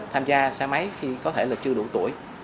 tham gia xe máy khi có thể là chưa đủ tuổi